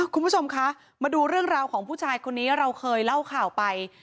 คุณผู้ชมคะมาดูเรื่องราวของผู้ชายคนนี้เราเคยเล่าข่าวไป